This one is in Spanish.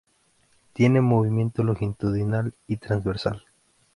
Tiene movimiento longitudinal y transversal.